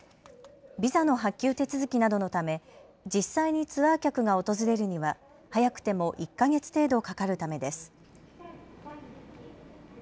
ビザの発給手続きなどのため実際にツアー客が訪れるには早くても１か月程度かかるためです。